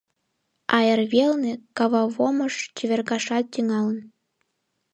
А эрвелне кававомыш чевергашат тӱҥалын.